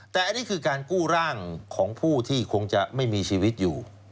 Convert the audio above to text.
แต่อันนี้คือการกู้ร่างของผู้ที่คงจะไม่มีชีวิตอยู่